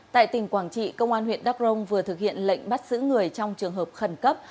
tại tỉnh quảng trị công an huyện đắk rông vừa thực hiện lệnh bắt giữ người trong trường hợp khẩn cấp